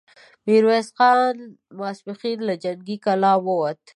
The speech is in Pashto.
ميرويس خان ماسپښين له جنګي کلا ووت،